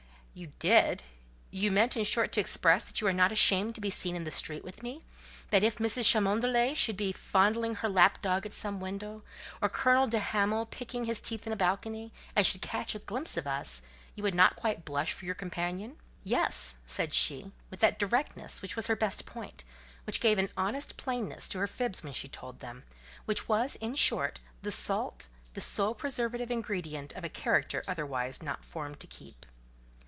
"You did? You meant, in short, to express that you are not ashamed to be seen in the street with me? That if Mrs. Cholmondeley should be fondling her lapdog at some window, or Colonel de Hamal picking his teeth in a balcony, and should catch a glimpse of us, you would not quite blush for your companion?" "Yes," said she, with that directness which was her best point—which gave an honest plainness to her very fibs when she told them—which was, in short, the salt, the sole preservative ingredient of a character otherwise not formed to keep.